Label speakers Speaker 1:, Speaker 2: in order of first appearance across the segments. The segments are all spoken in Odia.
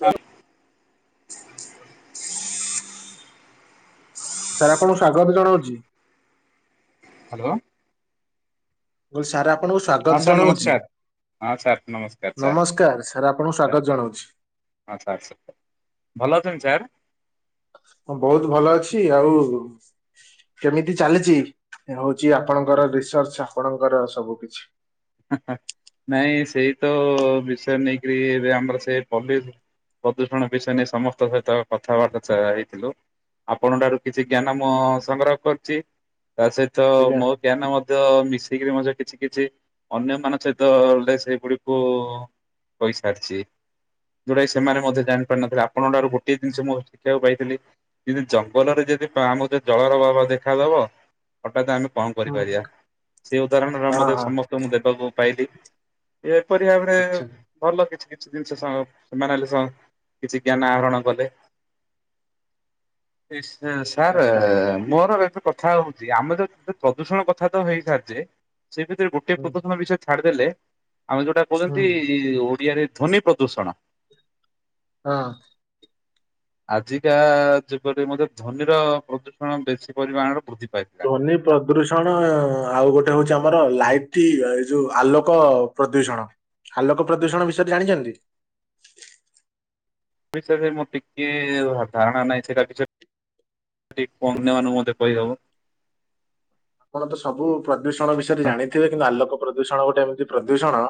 Speaker 1: ଛା
Speaker 2: ସାର୍ ଆପଣଙ୍କୁ ସ୍ଵାଗତ ଜଣଉଚି।
Speaker 1: ହ୍ୟାଲୋ।
Speaker 2: ମୁଁ କହିଲି ସାର୍ ଆପଣଙ୍କୁ
Speaker 1: ହଁ
Speaker 2: ସ୍ଵାଗତ
Speaker 1: ସାର୍
Speaker 2: ଜଣଉଚି।
Speaker 1: ନମସ୍କାର ହଁ ସାର୍ ନମସ୍କାର ସାର୍
Speaker 2: ନମସ୍କାର ସାର୍ ଆପଣଙ୍କୁ ସ୍ଵାଗତ
Speaker 1: ସାର୍
Speaker 2: ଜଣଉଛି।
Speaker 1: ହଁ ସାର୍ ସ- ଭଲ ଅଛନ୍ତି ସାର୍?
Speaker 2: ହଁ ବହୁତ ଭଲ ଅଛି, ଆଉ କେମିତି ଚାଲିଚି? ଏ ହଉଛି ଆପଣଙ୍କର ରିସର୍ଚ୍ଚ ଆପଣଙ୍କର ସବୁ କିଛି?
Speaker 1: ନାଇଁ ସେଇ ତ ବିଷୟରେ ନେଇକିରି ଏବେ ଆମର ସେ ପୋଲିସି ପ୍ରଦୂଷଣ ବିଷୟ ନେଇ ସମସ୍ତଙ୍କ ସହିତ କଥାବାର୍ଛା ହେଇଥିଲୁ। ଆପଣଙ୍କ ଠାରୁ କିଛି ଜ୍ଞାନ ମୋ ସଂଗ୍ରହ କରଛି, ତା ସହି ତ
Speaker 2: ଆଜ୍ଞା
Speaker 1: ମୋ ଜ୍ଞାନ ମଧ୍ୟ ମିଶିକିରି ମଧ୍ୟ କିଛି କିଛି ଅନ୍ୟମାନଙ୍କ ସହିତ ରେ ସେଗୁଡିକୁ କହି ସାରିଛି। ଯୋଉଟା ସେମାନେ ମଧ୍ୟ ଜାଣିପାରି ନଥିଲେ, ଆପଣଙ୍କ ଠାରୁ ଗୋଟିଏ ଜିନିଷ ମୁଁ ଶିଖିବାକୁ ପାଇଥିଲି। ଯଦି ଜଙ୍ଗଲରେ ଯଦି ପା-ଆମକୁ ଏ ଜଳର ଅଭାବ ଦେଖାଦବ। ହଠାତ୍ ଆମେ କଣ
Speaker 2: ହୁଁ
Speaker 1: କରିପାରିବା? ସେଇ ଉଦାହରଣରେ
Speaker 2: ହଁ
Speaker 1: ମୋତେ
Speaker 2: ହଁ
Speaker 1: ସମସ୍ତଙ୍କୁ ଦେବାକୁ ପାଇଲି। ଏପରି ଭାବରେ
Speaker 2: ଆଚ୍ଛା
Speaker 1: ଭଲ କିଛି କିଛି ଜିନିଷ ସଙ୍ଘ ସେମାନେ ହେଲେ ସ-କିଛି ଜ୍ଞାନ ଆହରଣ କଲେ। ଇ-ଅଁ, ସାରେ
Speaker 2: ଆଚ୍ଛା
Speaker 1: ମୋର ଏଥ କଥା ହଉଚି ଆମେ ତ ଯୋଉ ପ୍ରଦୂଷଣ କଥା ତ ହେଇସାରଚେ, ସେ ଭିତରେ ଗୋଟ
Speaker 2: ହୁଁ
Speaker 1: ପ୍ରଦୂଷଣ ବିଷୟ ଛାଡିଦେଲେ, ଆମେ ଯୋଉଟା
Speaker 2: ହୁଁ
Speaker 1: କହୁଛନ୍ତି ଓଡିଆରେ ଧ୍ୱନି ପ୍ରଦୂଷଣ।
Speaker 2: ହଁ।
Speaker 1: ଆଜିକା ଯୁଗରେ ମଧ୍ୟ ଧ୍ବନିର ପ୍ରଦୂଷଣ ବେଶୀ ପରିମାଣର ବୃଦ୍ଧି ପାଏ।
Speaker 2: ନି ପ୍ରଦୂଷଣ, ଆଉ ଗୋଟେ ହଉଛି ଆମର ଲାଇଟି ଏ ଯୋଉ ଆଲୋକ ପ୍ରଦୂଷଣ। ଆଲୋକ ପ୍ରଦୂଷଣ ବିଷୟରେ ଜାଣିଚନ୍ତି?
Speaker 1: ବିଷୟରେ ମୋ ଟିକିଏ ହୋ ଧାରଣା ନାହିଁ ସେଇଟା [unintelligible] ଟି ଅନ୍ୟମାନଙ୍କୁ ମଧ୍ଯ କହିହବ।
Speaker 2: ଆପଣ ତ ସବୁ ପ୍ରଦୂଷଣ ବିଷୟରେ ଜାଣିଥିବେ। କିନ୍ତୁ ଆଲୋକ ପ୍ରଦୂଷଣ ଗୋଟେ ଏମିତି ପ୍ରଦୂଷଣ,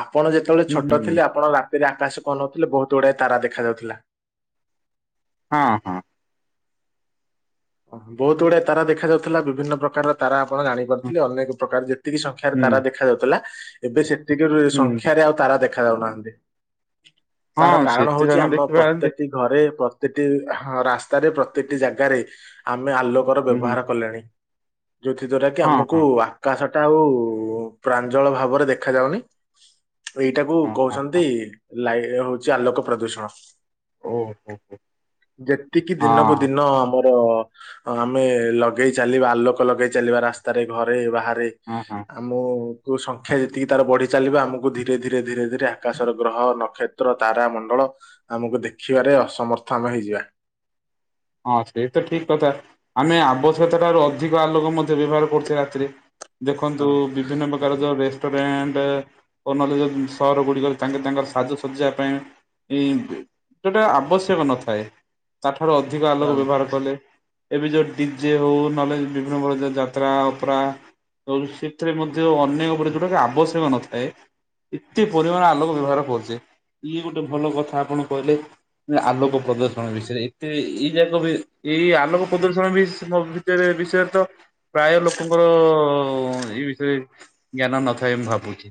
Speaker 2: ଆପଣ ଯେତେବେଳେ
Speaker 1: ହୁଁ
Speaker 2: ଛୋଟ
Speaker 1: ହୁଁ
Speaker 2: ଥିଲେ ଆପଣ ରା ତିରେ ଆକାଶକୁ ଅନଉଥିଲେ ବହୁତ ଗୁଡାଏ ତାରା ଦେଖା ଯାଉଥିଲା।
Speaker 1: ହଁ, ହଁ।
Speaker 2: ଓ ହଁ, ବହୁତ ଗୁଡା ତାରା ଦେଖାଯାଉଥିଲା ବିଭିନ୍ନ ପ୍ରକାର ତାରା ଆପଣ
Speaker 1: ହୁଁ
Speaker 2: ଜାଣିପାରୁଥିଲେ ଅନେକ ପ୍ରକାର ଯେତିକି ସଂଖ୍ୟାରେ
Speaker 1: ହୁଁ
Speaker 2: ତାରା ଦେଖା ଯାଉଥିଲା ଏବେ ସେତିକ ରେ
Speaker 1: ହୁଁ
Speaker 2: ସଂଖ୍ୟାରେ ଆଉ ତାରା ଦେଖା ଯାଉନାହାନ୍ତି। ତାର
Speaker 1: ହଁ
Speaker 2: କାରଣ
Speaker 1: ସେତେ
Speaker 2: ହଉଛି
Speaker 1: ଜଣ
Speaker 2: ଆମ
Speaker 1: ଦେଖିବା
Speaker 2: ପ୍ରତ୍ୟେକ ଟି ଘରେ ପ୍ରତଟି ରାସ୍ତାରେ ପ୍ରତି ଟି ଜାଗାରେ ଆମେ ଆଲୋ ର
Speaker 1: ହୁଁ ହୁଁ
Speaker 2: ବ୍ୟବହାର କଲେଣି। ଯୋଉଥି ଦ୍ଵାରା କି
Speaker 1: ହଁ
Speaker 2: ଆମକୁ
Speaker 1: ହଁ
Speaker 2: ଆକାଶ ଟା ଆଉ ପ୍ରାଞ୍ଜଳ ଭାବରେ ଦେଖା ଯାଉନି। ଏଇଟାକୁ
Speaker 1: ହଁ ହଁ ହଁ
Speaker 2: କହୁଛନ୍ତି ଲାଇ ହଉଛି ଆଲୋକ ପ୍ରଦୂଷଣ।
Speaker 1: ଓହୋ ହୋ
Speaker 2: ଯେତିକି
Speaker 1: ହଁ
Speaker 2: ଦିନକୁ ଦିନ ଆମର ଆଉ ଆମେ ଲଗେଇ ଚାଲିବା ଆଲୋକ ଲଗେଇ ଚାଲିବା ରାସ୍ତାରେ ଘରେ ବାହାରେ।
Speaker 1: ହଁ ହଁ।
Speaker 2: ଆମକୁ ସଂଖ୍ୟା ଯେତିକି ତାର ବଢି ଚାଲିବ ଆମକୁ ଧୀରେ ଧୀରେ ଧୀରେ ଧୀରେ ଆକାଶର ଗ୍ରହ ନକ୍ଷ ତାରା ମଣ୍ଡଳ ଆମକୁ ଦେଖିବାରେ ଅସମର୍ଥ ଆମେ ହେଇଯିବା।
Speaker 1: ହଁ ସେଇ ତ ଠିକ କଥା। ଆମେ ଆବଶ୍ୟତା ଠାରୁ ଅଧିକ ଆଲୋକ ମଧ୍ୟ ବ୍ୟବହାର କରୁଛେ ରାତିରେ।
Speaker 2: ହଁ
Speaker 1: ଦେଖନ୍ତୁ ବିଭିନ୍ନ ପ୍ରକାର ଯରେ [unintelligible] ସହର ଗୁଡିକରେ ତାଙ୍କେ ତାଙ୍କର ସାଜସଜା ପାଇଁ ଏଇ ଯୋଉଟା ଆବଶ୍ୟକ ନଥାଏ ତା ଠାରୁ ଅଧିକ
Speaker 2: ହଁ
Speaker 1: ଆଲୋକ ବ୍ୟବହାର କଲେ। ଏବେ ଯୋଉ ଡିଜେ ହଉ ନହଲେ ବିଭିନ୍ନ ପ୍ରକାର ଯାତ୍ରା ଅପରା ଆ ସେଥିରେ ମଧ୍ୟ ଅନ୍ୟ ଉପରେ
Speaker 2: ହଁ।
Speaker 1: ଯୋଉଟାକି ଆବଶ୍ୟକ ନଥାଏ। ଏତେ ପରିମାଣ ଆଲୋକ ବ୍ୟବହାର କରୁଛେ ଇଏ ଗୋଟେ ଭଲ କଥା ଆପଣ କହିଲେ। ଆଲୋକ ପ୍ରଦର୍ଶଣ ବିଷୟରେ ଏତେ ଏଇ ଯାକ ବି ଏଇ ଆଲୋକ ପ୍ରଦୂଷଣ ବି [unintelligible] ବିଷୟରେ ତ ପ୍ରାୟ ଲୋକଙ୍କର ଏଇ ବିଷୟରେ ଜ୍ଞାନ ନଥାଏ ମୁଁ ଭାବୁଚି।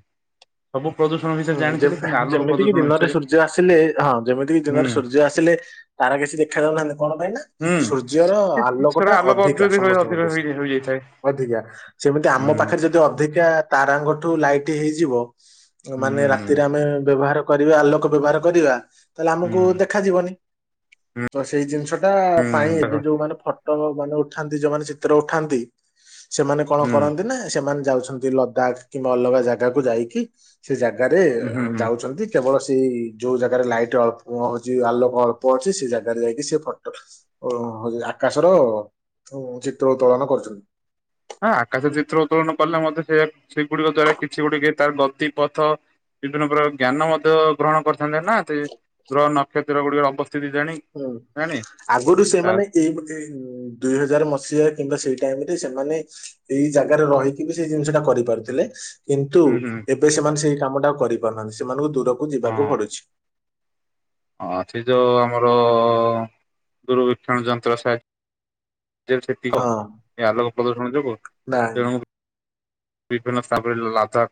Speaker 1: ସବୁ ପ୍ରଦୂଷଣ
Speaker 2: ହୁଁ ଯେମ୍ ଯେମିତିକି
Speaker 1: ପ୍ରଦୂଷଣ
Speaker 2: ଦିନରେ
Speaker 1: ବିଷୟରେ
Speaker 2: ସୂର୍ଯ୍ୟ ଆସିଲେ ହଁ ଯେମିତିକି
Speaker 1: ହୁଁ
Speaker 2: ଦିନରେ ସୂର୍ଯ୍ୟ ଆସି ଆସିଲେ ତାର କିଛି ଦେଖା ଯାଉନାହାନ୍ତି କଣ ପାଇଁ ନା
Speaker 1: ହୁଁ
Speaker 2: ସୂର୍ଯ୍ୟର
Speaker 1: ସେ
Speaker 2: ଆଲୋକ
Speaker 1: ସେଟା
Speaker 2: ଟା ଅଧିକା
Speaker 1: ଅତ୍ୟଧିକ ଅଧିକ
Speaker 2: ସମସ୍ତଙ୍କଠୁ ସେ
Speaker 1: ହେଇଯାଇଥାଏ।
Speaker 2: ଅଧିକା ସେମିତି
Speaker 1: ହଁ
Speaker 2: ଆମ ପାଖରେ ଯଦି ଅଧିକା ତାରାଙ୍ଗଠୁ ଲାଇଟ୍ ହେଇଯିବ। ମାନେ ରାତିରେ ଆମେ ବ୍ୟବହାର କରିବା ଆଲୋକ ବ୍ୟବହାର କରିବା ତାହେଲେ ଆମକୁ ଦେଖାଯିବନି। ତ ସେଇ ଜିନିଷ ଟା ପାଇଁ ଏବେ ଯୋଉ ମାନେ ଫ ଟୋ ମାନେ ଉଠାନ୍ତି ଯୋଉମାନେ ଚିତ୍ର ଉଠାନ୍ତି ସେମାନେ କଣ କରନ୍ତି ନା ସେମାନେ ଯାଉଛନ୍ତି ଲ [unintelligible] ଅଲଗା ଜାଗାକୁ ଯାଇକି ସେ ଜାଗାରେ ଯାଉଛନ୍ତି। କେବଳ ସେଇ ଯୋଉ ଜାଗାରେ ଲାଇଟ୍ ଅଳ୍ପ ହଉଛି ଆଲୋକ ଅଳ୍ପ ଅଛି ସେ ଜାଗାରେ ଯାଇକି ସେ ଫଟୋ ଓ ହଉ ଆକାଶର ଚିତ୍ର ଉତ୍ତୋଳନ କରୁଛନ୍ତି।
Speaker 1: ହଁ ଆକାଶ ଚିତ୍ର ଉତ୍ତୋଳନ କଲେ ମଧ୍ୟ ସେ ସେଗୁଡିକ ଦ୍ଵାରା କିଛି ଗୋଟେ କି ତାର ନଦୀ ପଥ। ବିଭିନ୍ନ ପ୍ରକାର ଜ୍ଞାନ ମଧ୍ୟ ଗ୍ରହଣ କରିଥାନ୍ତି ନା ସେ ଗ୍ରହ ନକ୍ଷତ୍ର ଗୁଡିକର ଅବ
Speaker 2: ହୁଁ ଆଗରୁ
Speaker 1: ତା
Speaker 2: ସେମାନେ। ଏଇ ବୋଧେ ଦୁଇ ହଜାର ମସିହା କିମ୍ବା ସେଇ ଟାଇମ୍ ରେ ସେମାନେ। ଏଇ ଜାଗାରେ ରହିକି ବି ସେଇ ଜିନିଷ ଟା କରିପାରୁଥିଲେ। କିନ୍ତୁ
Speaker 1: ହୁଁ ହୁଁ
Speaker 2: ଏବେ ସେମାନେ ସେଇ କାମ ଟା ଆଉ କରିପାରୁନାହାନ୍ତି ସେମାନଙ୍କୁ ଦୂରକୁ ଯିବାକୁ
Speaker 1: ହଁ
Speaker 2: ପଡୁଛି।
Speaker 1: ହଁ ସେ ଯଉ ଆମର ଦୂର୍ବିକ୍ଷଣ ଯନ୍ତ୍ର ସାହା ଜିଲ୍ ସ୍ତିତିକ
Speaker 2: ହଁ
Speaker 1: ଏ ଆଲୋକ ପ୍ରଦର୍ଶନ ଯୋଗୁ
Speaker 2: ନାଇଁ
Speaker 1: ତେଣୁ ବିଭିନ୍ନ ସ୍ତାବରେ ଲାଧାକ୍।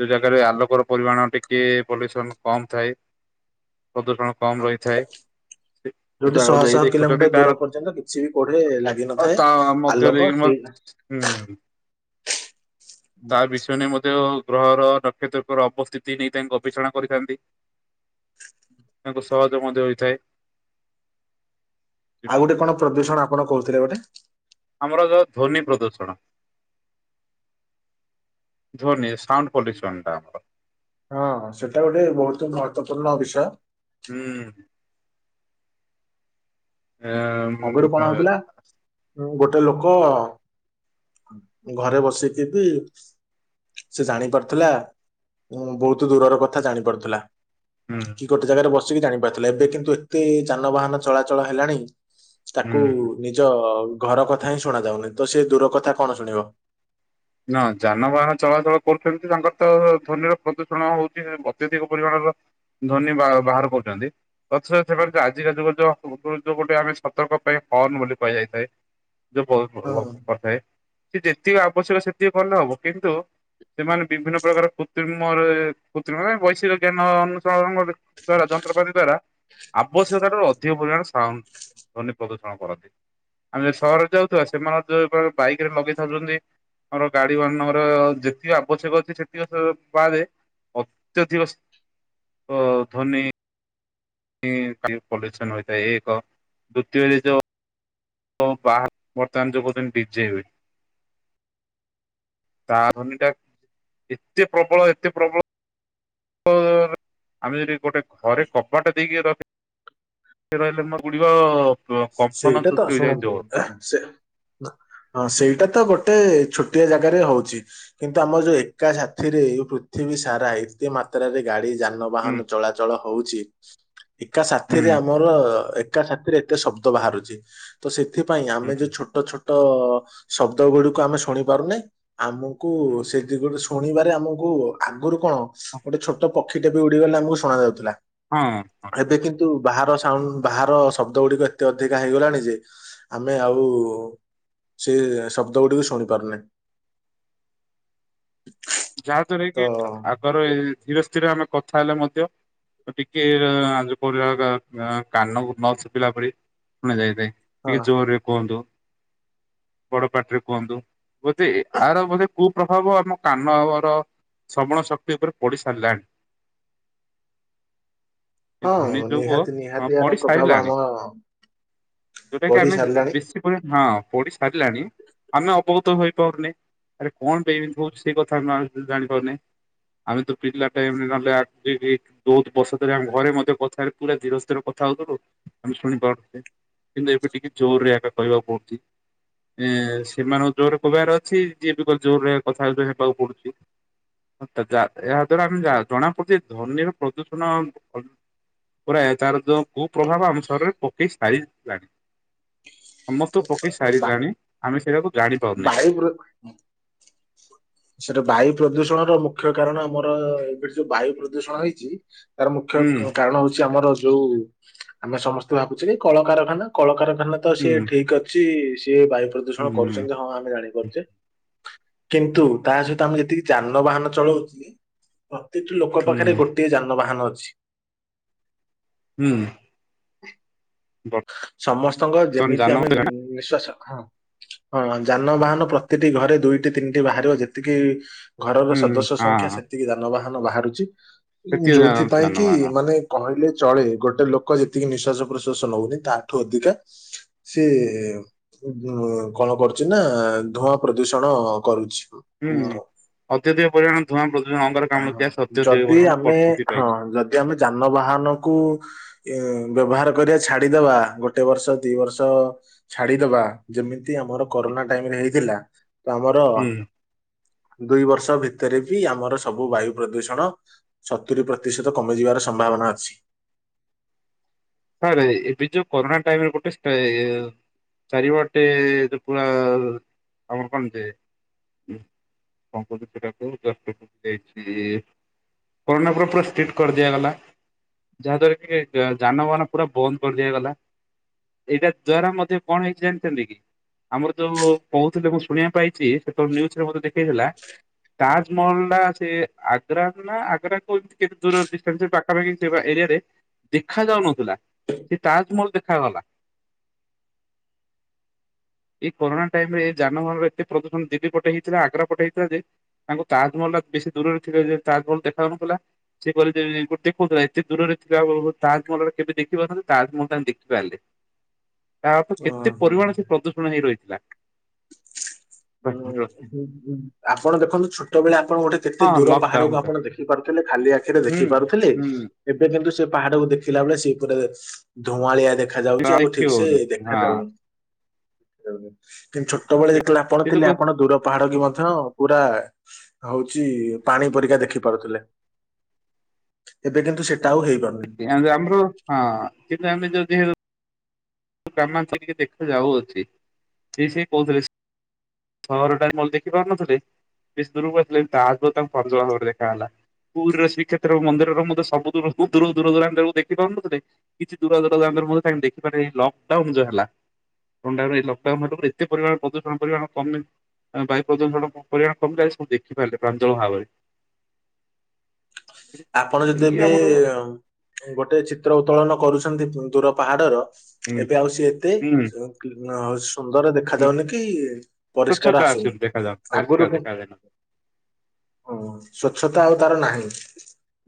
Speaker 1: ଯଉ ଜାଗାରେ ଆଲୋକର ପରିମାଣ ଟିକେ ପଲ୍ୟୁସନ୍ କମ୍ ଥାଏ ପ୍ରଦୂଷଣ। କମ୍ ରହିଥାଏ।
Speaker 2: ଯୋଉଠି
Speaker 1: ଜାଗାକୁ
Speaker 2: ଶହ
Speaker 1: ଯାଇ
Speaker 2: ଶହ
Speaker 1: ଦେଖୁଛନ୍ତି
Speaker 2: କିଲୋମିଟର
Speaker 1: ତାର
Speaker 2: ଦୂର ପର୍ଯ୍ୟନ୍ତ କିଛି ବି କୌଢେ ଲାଗିନଥାଏ।
Speaker 1: ମଧ୍ୟରେ
Speaker 2: ଆଲୋକ
Speaker 1: ହିମତ
Speaker 2: ସେଇ
Speaker 1: ହୁଁ। ତା ବିଷୟ ନେଇ ମଧ୍ୟ ଗ୍ରହର ନକ୍ଷତ୍ରଙ୍କର ଅବସ୍ଥିତି ନେଇ ତାଙ୍କୁ ଗବେଷଣା କରିଥାନ୍ତି। ତାଙ୍କୁ ସହଜ ମଧ୍ୟ ହୋଇଥାଏ।
Speaker 2: ଆଉ ଗୋଟେ କଣ ପ୍ରଦୂଷଣ ଆପଣ କହୁଥିଲେ ଗୋଟେ?
Speaker 1: ଆମର ଯଉ ଧ୍ୱନି ପ୍ରଦୂଷଣ? ଧ୍ୱନି ସାଉଣ୍ଡ ପଲ୍ୟୁସନ୍ ଟା।
Speaker 2: ହଁ ସେଟା ଗୋଟେ ବହୁତ ମହତ୍ଵପୂର୍ଣ୍ଣ ବିଷୟ।
Speaker 1: ହୁଁ। ମିଆ ଆ ଆ ଉ।
Speaker 2: ଆଗରୁ କଣ ହଉଥିଲା ଗୋଟେ ଲୋକ। ଘରେ ବସି ତି ତି। ସେ ଜାଣି ପାରୁଥିଲା ବହୁତ ଦୂରର କଥା ଜାଣି ପାରୁଥିଲା।
Speaker 1: ହୁଁ।
Speaker 2: କି ଗୋଟେ ଜାଗାରେ ବସିକି ଜାଣିପାରଥିଲା ଏବେ କିନ୍ତୁ ଏତେ ଯାନବାହାନ ଚଳାଚଳ ହେଲାଣି। ତାକୁ
Speaker 1: ହୁଁ
Speaker 2: ନିଜ ଘର କଥା ହିଁ ଶୁଣା ଯାଉନି ତ ସେ ଦୂର କଥା କଣ ଶୁଣିବ।
Speaker 1: ନା ଯାନବାହାନ ଚଳାଚଳ କରୁଛନ୍ତି ତାଙ୍କର ତ ଧ୍ଵନିର ପ୍ରଦୂଷଣ ହଉଛି ଅତ୍ୟଧିକ ପରିମାଣର। ଧ୍ଵନି ବା ବାହାର କରହୁଛନ୍ତି। ତଥାପି ମାନେ ସେ ଆଜିଯାକେ ମଧ୍ୟ ଯୋଉ ଯୋଉ ଗୋଟେ ଆମେ ସତର୍କ ପାଇଁ ହଂର୍ଣ୍ଣ ବୋଲି କୁହାଯାଇଥାଏ। ଯଉ ବହୁ
Speaker 2: ହଁ
Speaker 1: ଲ କରିଥାଏ ସେ ଯେତିକି ଆବଶ୍ୟକ ସେତିକି କଲେ ହବ କିନ୍ତୁ। ସେମାନେ ବିଭିନ୍ନ ପ୍ରକାର କୃତ୍ରିମରେ କୃତ୍ରିମ ମାନେ ବୈଷୟିକ ଜ୍ଞାନ ଅନୁସରଣ କରେ। ଦ୍ଵାରା ଯନ୍ତ୍ରପାତି ଦ୍ଵାରା ଆବଶ୍ୟକତା ଠାରୁ ଅଧିକ ପରିମାଣ ସାଉଣ୍ଡ। ଧ୍ୱନି ପ୍ରଦୂଷଣ କରନ୍ତି ଆମେ ଯଉ ସହରରେ ଯାଉଥିବା ସେମାନେ ଯଉ ବାଇକ ରେ ଲଗେଇଥାଉଛନ୍ତି। ଆମର ଗାଡି ମାନଙ୍କର ଯେତିକି ଆବଶ୍ୟକ ଅଛି ସେତିକ ବାଦେ। ଅତ୍ୟଧିକ ଅ ଧନୀ। ପଲ୍ୟୁସନ୍ ହୋଇଥାଏ ଏକ ଦ୍ୱିତୀୟରେ ତ। ତ ବାହା ବର୍ତ୍ତମାନ ଯଉ କହୁଛନ୍ତି ଡିଜେ ହୁଏ। ତା ଧ୍ଵନୀ ଟା ଏତେ ପ୍ରବଳ ଏତେ ପ୍ରବଳ। ତ ଅ ଆମେ ଯଦି ଗୋଟେ ଘରେ କବାଟା ଦେଇକି ର। ସେଏ ରହିଲେ ମୋ ଗୁଡ଼ିବ।
Speaker 2: ସେଇଟା ତ ଆସୁଣନ୍ତି ହେଁ ସେ। ହଁ ସେଇଟା ତ ଗୋଟେ ଛୋଟିଆ ଜାଗାରେ ହଉଛି। କିନ୍ତୁ ଆମ ଯଉ ଏକା ସାଥିରେ ପୃଥିବୀ ସାରା ଏତେ ମାତ୍ରାରେ ଗାଡି ଯାନ। ବାହନ
Speaker 1: ହୁଁ
Speaker 2: ଚଳାଚଳ ହଉଛି ଏକା
Speaker 1: ହୁଁ
Speaker 2: ସାଥିରେ ଆମର ଏକା ସାଥିରେ ଏତେ ଶବ। ତ ବାହାରୁଛି ତ ସେଥିପାଇଁ ଆମେ
Speaker 1: ହୁଁ।
Speaker 2: ଯଉ ଛୋଟ ଛୋ। ତ ଶବ୍ଦ ଗୁଡିକୁ ଆମେ ଶୁଣି ପାରୁନେ ଆମକୁ
Speaker 1: ହୁଁ
Speaker 2: ସେ। ଗୋଟେ ଶୁଣିବାରେ ଆମକୁ ଆଗରୁ କଣ ଗୋଟେ ଛୋଟ ପକ୍ଷୀ ଟେପି ଉଡି ଗଲେ ଆମକୁ ଶୁଣା ଯାଉଥିଲା।
Speaker 1: ହଁ। ହଁ
Speaker 2: ଏବେ କିନ୍ତୁ ବାହାର ସାଉଣ୍ଡ ବାହାର ଶବ୍ଦ ଗୁଡିକ। ଏତେ ଅଧିକା ହେଇଗଲାଣି ଯେ ଆମେ ଆଉ। ସିଏ ଶବ୍ଦ ଗୁଡିକୁ ଶୁଣି ପାରୁନେ।
Speaker 1: [unintelligible] ଯାହା ଦ୍ଵାରା
Speaker 2: ତ
Speaker 1: କି ଆଗର ଧୀରେ ଧୀରେ ଆମେ କଥା ହେଲେ ମଧ୍ୟ ଟିକେ ଆ ପ କାନ ନ ଶୁଭିଲା ପରି ଶୁଣା ଯାଇଥାଏ।
Speaker 2: ହଁ
Speaker 1: ଟିକେ ଜୋରରେ କୁହନ୍ତୁ? ବଡ ପାଟିରେ କୁହନ୍ତୁ? ବୋଧେ ଏହାର ବୋଧେ କୁ ପ୍ରଭାବ ଆମ କାନ ଆର ଶ୍ରବଣ ଶକ୍ତି ଉପରେ ପଡି ସାରିଲାଣି। ଏଇ
Speaker 2: ହଁ
Speaker 1: ଧନି ଯୋଗୁ
Speaker 2: ନିହାତି
Speaker 1: ହଁ
Speaker 2: ନିହାତି ଏହାର
Speaker 1: ପଡିି
Speaker 2: ପ୍ରଭାବ ଆମ
Speaker 1: ସାରିଲାଣି। ଯୋଉଟା କି
Speaker 2: ବଢି
Speaker 1: ଆମେ
Speaker 2: ସାରିଲାଣି
Speaker 1: ବେଶୀ ହଁ ପଢି ସାରିଲାଣି ଆମେ ଅବଗତ ହେଇପାରୁନେ ଆରେ କଣ ପାଇଁ ଏମିତି ହଉଛି। ସେ କଥା ଜାଣିପାରୁନେ ଆମେ ତ ପିଲା ଟାଇ ନହେଲେ ବହୁତ ବର୍ଷ ଧରି ଆମ ଘରେ ମଧ୍ୟ କଥା ପୁରା ଧୀର ସ୍ଥିର କଥା ହଉଥିଲୁ ଆମେ ଶୁଣି ପାରୁ କିନ୍ତୁ ଏବେ ଟିକେ ଜୋର ରେ ଏବେ କହିବାକୁ ପଡୁଛି। ଏ ସେମାନଙ୍କ ଜୋରରେ କହିବାର ଅଛି ଯିଏ ବି କ ଜୋର ରେ କଥା ହେବାକୁ ପଡୁଛି। ଏହା ଦ୍ଵାରା ଆମେ ଜଣାପଡ଼ୁଛି ଧ୍ୱନୀର ପ୍ରଦୂଷଣ ପୁରା ତାର ଯୋଉ କୁପ୍ରଭାବ ଆମ ଶରୀରେ ପକେଇ ସାରିିଲାଣି। ସମସ୍ତଙ୍କୁ ପକେଇ
Speaker 2: ବା-
Speaker 1: ସାରିଲାଣି ଆମେ ସେଇଟାକୁ ଜାଣିପାରୁନେ
Speaker 2: ବାୟୁ ପ୍ର
Speaker 1: [inaudible]
Speaker 2: ସେଟା ବାୟୁ ପ୍ରଦୂଷଣର ମୁଖ୍ୟ କାରଣ ଆମର ଏବେ ଯୋଉ ବାୟୁ ପ୍ରଦୂଷଣ ହେଇଛି ତାର ମୁଖ୍ୟ
Speaker 1: ହୁଁ
Speaker 2: କାରଣ ହଉଛି ଆମର ଯୋଉ ଆମେ ସମସ୍ତେ ଭାବୁଛେ କି କଳକାରଖାନା କଳକାରଖାନା ତ
Speaker 1: ହୁଁ
Speaker 2: ସିଏ ଠିକ ଅଛି ସିଏ ବାୟୁ ପ୍ରଦୂ
Speaker 1: ହୁଁ
Speaker 2: କରୁଛନ୍ତି ହଁ ଆମେ ଜାଣିପାରୁଛେ। କିନ୍ତୁ ତା ସହିତ ଆମେ ଯେତିକି ଯାନବାହାନ ଚଳଉଛି ପ୍ରତିଟି ଲୋକ ପାଖରେ
Speaker 1: ହୁଁ
Speaker 2: ଗୋଟିଏ ଯାନବାହାନ ଅଛି।
Speaker 1: ହୁଁ
Speaker 2: ସମସ୍ତଙ୍କ
Speaker 1: ବର୍ତ୍ତମାନ
Speaker 2: ଯେମିତି ଆମେ
Speaker 1: ଯାନ
Speaker 2: ନିଶ୍ଵାସ ହଁ ହଁ ଯାନବାହାନ ପ୍ରତିଟି ଘରେ ଦୁଇଟି ତିନିଟି ବାହାରିବ ଯେତିକି ଘରର
Speaker 1: ହୁଁ
Speaker 2: ସଦସ୍ୟ ସଂଖ୍ୟା
Speaker 1: ହଁ
Speaker 2: ସେତିକି ଯାନବାହାନ ବାହାରୁଛି ଉ
Speaker 1: ସେଥିୟ
Speaker 2: ଯୋଉଥିପାଇଁ କି
Speaker 1: ଯାନବାହାନ
Speaker 2: ମାନେ କହିଲେ ଚଳେ ଗୋଟେ ଲୋକ ଯେତିକି ନିଶ୍ୱାସ ପ୍ରଶ୍ୱାସ ନଉନି ତାଠୁ ଅଧିକା ସେ ଉ କଣ କରୁଛି ନା ଧୂଆଁ ପ୍ରଦୂଷଣ କରୁଛି।
Speaker 1: ହୁଁ
Speaker 2: ଉଁ,
Speaker 1: ଅତ୍ୟଧିକ ପରିମାଣ ଧୂଆଁ ପ୍ରଦୂଷଣ ଅଙ୍ଗରକ୍ଲାମ ଗ୍ୟାସ ଅତ୍ୟଧିକ
Speaker 2: ଯଦି
Speaker 1: ପରିମାଣ
Speaker 2: ଆମେ
Speaker 1: ବୃଦ୍ଧି
Speaker 2: ହଁ
Speaker 1: ପାଇଛି।
Speaker 2: ଯଦି ଆମେ ଯାନବାହାନ କୁ ବ୍ୟବହାର କରିବା ଛାଡିଦବା ଗୋଟେ ବର୍ଷ ଦି ବର୍ଷ ଛାଡିଦବା। ଯେମିତି ଆମର କରୋନା ଟାଇମରେ ହେଇଥିଲା ତ ଆମର
Speaker 1: ହୁଁ
Speaker 2: ଦୁଇ ବର୍ଷ ଭିତରେ ବି ଆମର ସବୁ ବାୟୁ ପ୍ରଦୂଷଣ ସତୁରି ପ୍ରତିଶତ କମିଯିବାର ସମ୍ଭାବନା ଅଛି।
Speaker 1: ସାର୍ ଏବେ ଯୋଉ କରୋନା ଟାଇମରେ ଗୋଟେ ସେ ଚାରି ପଟେ ପୁରା ଆମର କଣଯେ [unintelligible] କରୋନା ପରେ ପୁରା ଷ୍ଟ୍ରିଟ କରିଦିଆଗଲା, ଯାହା ଦ୍ୱାରା କି ଯାନବାହାନ ପୁରା ବନ୍ଦ କରିଦିଆଗଲା ଏଇଟା ଦ୍ୱାରା ମଧ୍ୟ କଣ ହେଇଛି ଜାଣିଛନ୍ତି କି? ଆମର ଯୋଉ କହୁଥିଲେ ମୁଁ ଶୁଣିବା ପାଇଛି ସେତେବେଳେ ନିଉଜରେ ମଧ୍ୟ୍ୟ ଦେଖେଇଥିଲା। ତାଜମହଲ ଟା ସେ ଆଗ୍ରା ନା ଆଗ୍ରାଠୁ କେତେ ଦୂର ଡି ପାଖାପାଖି ସେ ଏରିଆରେ ଦେଖା ଯାଉନଥିଲା। ସେ ତାଜମହଲ ଦେଖାଗଲା। ଏଇ କରୋନା ଟାଇମ ରେ ଏ ଯାନବାହାନର ଏତେ ପ୍ରଦୂଷଣ ଦିଲ୍ଲୀ ପଟେ ହେଇଥିଲା ଆଗ୍ରା ପଟେ ହେଇଥିଲା ଯେ ତାଙ୍କୁ ତାଜମହଲ ଟା ବେଶୀ ଦୂରରେ ଥିଲା ଯେ- ତାଜମହଲ ଦେଖା ଯାଉନଥିଲା? ସେ କହ ଗୋଟେ ଦେଖୁଥିଲା ଏତେ ଦୂରରେ ଥିଲା ତାଜମହଲରେ କେବେ ଦେଖ ଦେଖାରୁ ତା ମୁଁ ତ ଦେଖିପାରିଲି ତା ଅର୍ଥ କେତେ
Speaker 2: ଓହୋ।
Speaker 1: ପରିମାଣ ସେ ପ୍ରଦୂଷଣ ହେଇ ରହିଥିଲା। [unintelligible]
Speaker 2: ହୁଁ ହୁଁ ଆପଣ ଦେଖନ୍ତୁ ଛୋଟ ବେଳେ ଆପଣ ଗୋଟେ କେତେ
Speaker 1: ହଁ
Speaker 2: ଦୂର
Speaker 1: ଲକଡାଉନ
Speaker 2: ପାହାଡକୁ
Speaker 1: ତ
Speaker 2: ଆପଣ ଦେଖିପାରୁଥିଲେ ଖାଲି ଆଖିରେ
Speaker 1: ହୁଁ
Speaker 2: ଦେଖିପାରୁଥିଲେ।
Speaker 1: ହୁଁ
Speaker 2: ଏବେ କିନ୍ତୁ ସେ ପାହାଡକୁ ଦେଖିଲା ବେଳେ ସେଇ ଉପରେ ଧୂଆଁଳିଆ ଦେଖା ଯାଉଛି ଆଉ
Speaker 1: ଦେଖି
Speaker 2: ଠିକ୍ ସେ
Speaker 1: ହଉନି
Speaker 2: ଦେଖା
Speaker 1: ହଁ।
Speaker 2: ଯାଉନି କିନ୍ତୁ ଛୋଟବେଳେ ଯେତେବେଳେ ଆପଣ ଥିଲେ ଆପଣ ଦୂର ପାହାଡ କି ମଧ୍ୟ ପୁରା ହଉଚି ପାଣି ପରିକା ଦେଖି ପାରୁଥିଲେ। ଏବେ କିନ୍ତୁ ସେଇଟା ଆଉ ହେଇପାରୁନି।
Speaker 1: ଆମର ହଁ କିନ୍ତୁ ଆମେ ଯଦି ଗ୍ରାମାଞ୍ଚଳିକ ଦେଖା ଯାଉଅଛି ସେ ସେ କହୁଥିଲେ ସହର ଟା ଦେଖି ପାରୁନଥିଲି ବେଶ ଦୂରକୁ ଆସଥିଲେ ତା ଆ ତାଙ୍କୁ ପଜଳ ଭାବରେ ଦେଖାହେଲା। [unintelligible] ପୁରୀର ଶ୍ରୀକ୍ଷେତ୍ର ମନ୍ଦିର ମତେବୁ ଦ ବହୁ ଦୂ ଦୂ ଆକୁ ଦେଖିାରୁନଥିଲେ। [unintelligible] କିଛି ଦୂର ଦୂରା ଯା କହି ଦେଖିପାରେଇ ଲକ୍ଡାଉନ ଯୋଉ ହେଲା। [unintelligible] ଥଣ୍ଡା ଲକ୍ଡାଉନ ହେଲା ପରେ ଏତେ ପରିମାଣ ପ୍ରଦୂଷଣ ପରିମାଣ କମେ ଆ ବାୟୁ ପ୍ରଦୂଷଣ ପରିମାଣ କମି ଯାଛି ସବୁ ଦେଖିପାରିଲେ ପ୍ରାଞ୍ଜଳ ଭାବରେ। [unintelligible]
Speaker 2: ଆପଣ ଯଦି
Speaker 1: ଇଏ
Speaker 2: ଏବେ
Speaker 1: ଆମର ହୁଁ
Speaker 2: ଅଁ ଗୋଟେ ଚିତ୍ର ଉତ୍ତୋଳନ କରୁଛନ୍ତି ଦୂର ପାହାଡର ଏବେ ଆଉ ସିଏ ଏତେ
Speaker 1: ହୁଁ।
Speaker 2: ସୁନ୍ଦର ଦେଖ ଦେଖାଯାଉନି କି ପରିଷ୍କାର
Speaker 1: ସ୍ୱଚ୍ଛତା
Speaker 2: ଆସୁନି।
Speaker 1: ଦେଖାଯାଉ
Speaker 2: ଆଗରୁ
Speaker 1: ପରିଷ୍କାର ଦେଖାଯାଉନି
Speaker 2: ହ ସ୍ଵଚ୍ଛତା ଆଉ ତାର ନାହିଁ।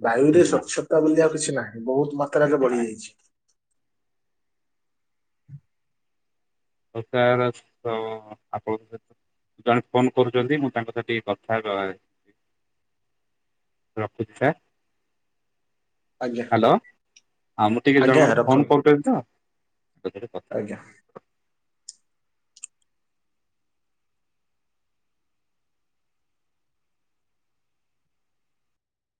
Speaker 2: ବାୟୁ ରେ
Speaker 1: ନାଇଁ
Speaker 2: ସ୍ଵଚ୍ଛତା ବୋଲି ଆଉ କିଛି ନାହିଁ ବହୁତ ମାତ୍ରାରେ
Speaker 1: ନାଇଁ
Speaker 2: ବଢିଯାଇଛି।
Speaker 1: ତ ତାର ତ ଆପଣ ଜଣେ ଫୋନ୍ କରୁଛନ୍ତି ମୁଁ ତାଙ୍କ ସହ ଟିକେ କଥା ରଖୁଛି ସାର୍।
Speaker 2: ଆଜ୍ଞା
Speaker 1: ହ୍ୟାଲୋ ଆଉ ମୁଁ ଟିକେ
Speaker 2: ଆଜ୍ଞା
Speaker 1: ଜଣଙ୍କ ଫୋନ୍
Speaker 2: ରଖନ୍ତୁ
Speaker 1: କରିଥିଲି ତ ଏ କଥା
Speaker 2: ଆଜ୍ଞା